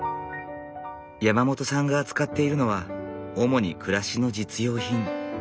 山本さんが扱っているのは主に暮らしの実用品。